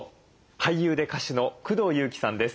俳優で歌手の工藤夕貴さんです。